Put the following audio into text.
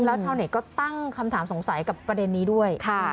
แล้วชาวเน็ตก็ตั้งคำถามสงสัยกับประเด็นนี้ด้วย